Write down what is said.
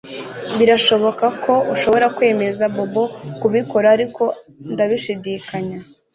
Birashoboka ko ushobora kwemeza Bobo kubikora ariko ndabishidikanya